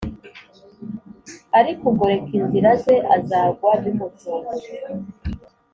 ariko ugoreka inzira ze azagwa bimutunguye